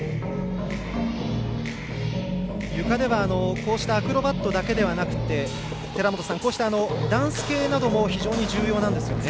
ゆかではアクロバットだけではなくて寺本さん、ダンス系なども非常に重要ですね。